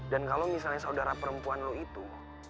dan kalau misalnya saudara perempuan lo itu